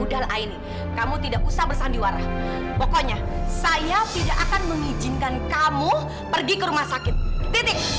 udah lah aini kamu tidak usah bersandiwara pokoknya saya tidak akan mengizinkan kamu pergi ke rumah sakit titik